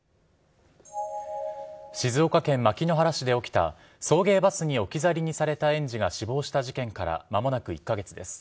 静岡県牧之原市で起きた送迎バスに置き去りにされた園児が死亡した事件からまもなく１か月です。